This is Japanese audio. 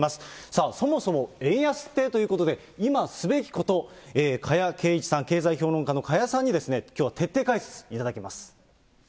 さあ、そもそも円安って？ということで、今すべきこと、加谷珪一さん、経済評論家の加谷さんにきょうは徹底解説いただきます。